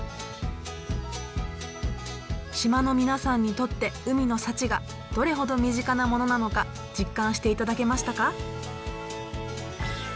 島の皆さんにとって海の幸がどれほど身近なものなのか実感していただけましたか？